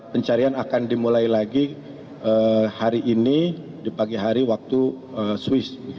pencarian akan dimulai lagi hari ini di pagi hari waktu swiss